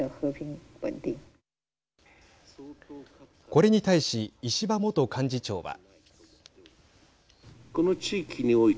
これに対し、石破元幹事長は。